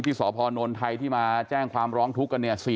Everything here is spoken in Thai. สพนไทยที่มาแจ้งความร้องทุกข์กันเนี่ย